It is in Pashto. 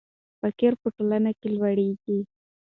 فقر په ټولنه کې لوړېږي.